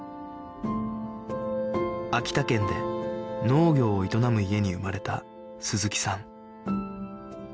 秋田県で農業を営む家に生まれた鈴木さん